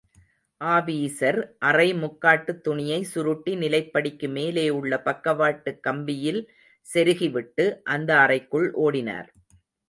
Officer அறை முக்காட்டுத் துணியை சுருட்டி நிலைப்படிக்கு மேலே உள்ள பக்கவாட்டு கம்பியில் சொருகிவிட்டு, அந்த அறைக்குள் ஓடினார்.